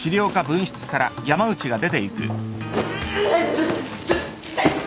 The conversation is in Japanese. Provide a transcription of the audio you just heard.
ちょっちょっ痛い！